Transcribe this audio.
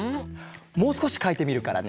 もうすこしかいてみるからね。